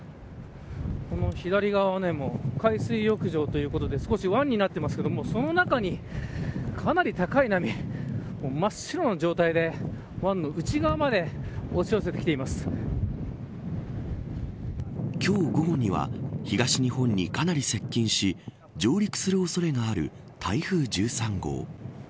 左側は海水浴場ということで少し湾になっていますがその中に、かなり高い波真っ白な状態で湾の内側まで今日午後には東日本にかなり接近し上陸する恐れがある台風１３号。